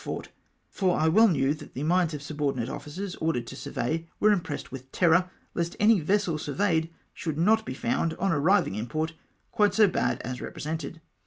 fort — for I well knew tliat the minds of subordinate officers ordered to survey were impressed with terror, lest any vessel surveyed should not be found, on arriving in port, quite so bad as represented.